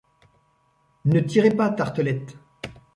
Ne tirez pas, Tartelett !